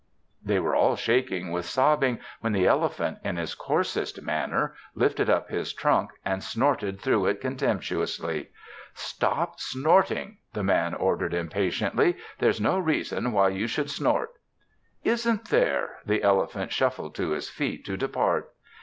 They were all shaking with sobbing when the elephant, in his coarsest manner, lifted, up his trunk and snorted through it contemptuously. "Stop snorting," the Man ordered impatiently. "There's no reason why you should snort." "Isn't there?" The elephant shuffled to his feet to depart.